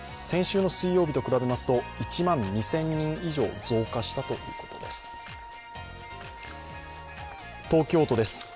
先週の水曜日と比べますと１万２０００人以上増加したということです。